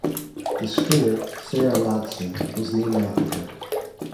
The schooner "Sarah Ladson" was named after her.